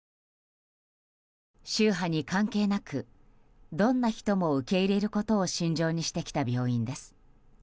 宗派に関係なくどんな人も受け入れることを信条にしてきた病院です。